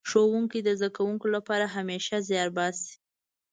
ښوونکي د زده کوونکو لپاره همېشه زيار باسي.